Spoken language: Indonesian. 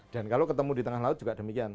dan kalau ketemu di tengah laut juga demikian